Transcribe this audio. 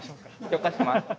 許可します。